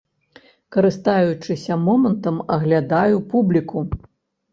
Карыстаючыся момантам, аглядаю публіку.